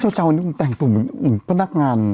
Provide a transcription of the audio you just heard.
เจ้านี่มันแต่งตัวเหมือนพนักงาน